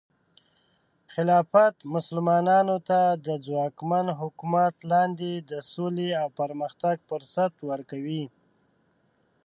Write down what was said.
خلافت مسلمانانو ته د ځواکمن حکومت لاندې د سولې او پرمختګ فرصت ورکوي.